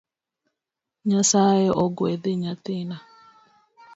Nyasaye ogwedhi nyathina